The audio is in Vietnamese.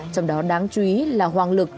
trong đó đáng chú ý là hoàng lực